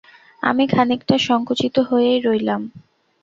আমি খানিকটা সংকুচিত হয়েই রইলাম!